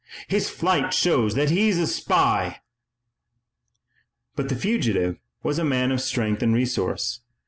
"His flight shows that he's a spy!" But the fugitive was a man of strength and resource.